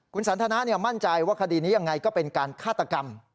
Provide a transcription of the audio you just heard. คุณสันทนามั่นใจว่าคดีนี้ยังไงก็เป็นการฆาตกรรม